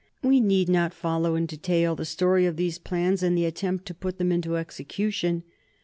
We need not follow in detail the story of these plans and the attempt to put them into execution.